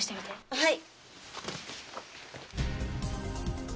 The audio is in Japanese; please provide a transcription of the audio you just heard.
はい。